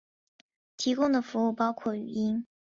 提供的服务包括话音。